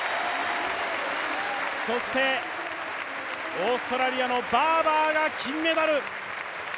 そしてオーストラリアのバーバーが金メダル。